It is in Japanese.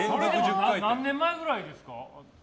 何年前くらいですか？